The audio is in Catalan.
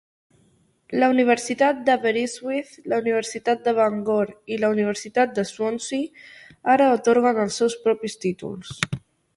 La Universitat d'Aberystwyth, la Universitat de Bangor i la Universitat de Swansea ara atorguen els seus propis títols.